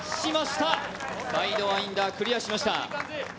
サイドワインダー、クリアしました